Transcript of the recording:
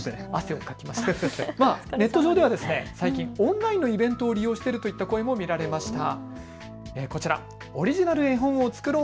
ネット上では最近、オンラインのイベントを利用しているといった声も見られました。